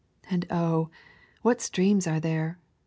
And oh! what streams are there!